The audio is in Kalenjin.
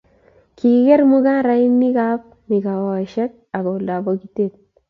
kikiker mung'arenikab mikawasiek ak oldab bokitet